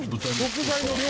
食材の量！